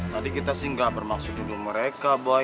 tadi kita sih gak bermaksud nudu mereka boi